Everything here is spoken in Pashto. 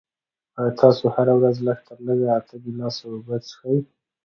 آیا تاسو هره ورځ لږ تر لږه اته ګیلاسه اوبه څښئ؟